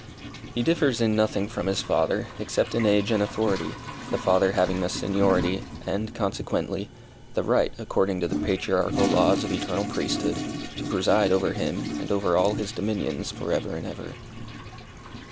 He differs in nothing from his Father, except in age and authority, the Father having the seniority, and, consequently, the right, according to the Patriarchal laws of eternal Priesthood, to preside over him, and over all his dominions, for ever and ever.